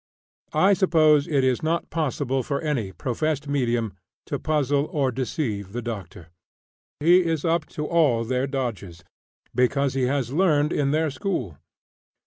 I suppose it is not possible for any professed medium to puzzle or deceive the doctor. He is up to all their "dodges," because he has learned in their school.